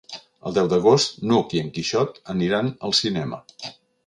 El deu d'agost n'Hug i en Quixot aniran al cinema.